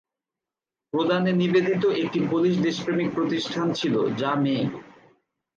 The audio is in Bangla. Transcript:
প্রদানে নিবেদিত একটি পোলিশ দেশপ্রেমিক প্রতিষ্ঠান ছিল যা মেয়ে